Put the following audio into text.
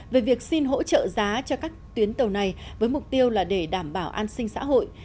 về việc xin hỗ trợ giá cho các tuyến tàu này với mục tiêu là để đảm bảo an sinh xã hội